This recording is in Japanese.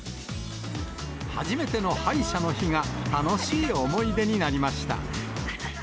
初めての歯医者の日が、楽しい思い出になりました。